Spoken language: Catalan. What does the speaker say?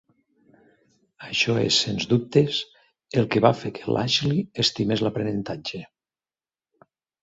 Això és, sense dubtes, el que va fer que Lashley estimés l'aprenentatge.